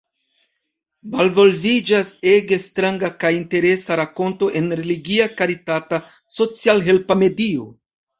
Malvolviĝas ege stranga kaj interesa rakonto en religia karitata socialhelpa medio.